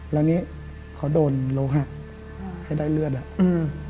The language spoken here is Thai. แล้วเนี้ยเขาโดนโลหะให้ได้เลือดอ่ะอืม